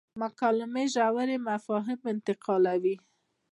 مکالمې ژور مفاهیم انتقالوي.